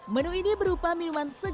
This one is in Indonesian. menu ini berupa minuman segar